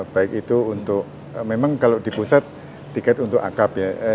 baik itu untuk memang kalau di pusat tiket untuk akap ya